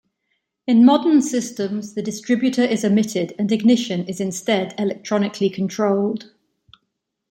In modern systems, the distributor is omitted and ignition is instead electronically controlled.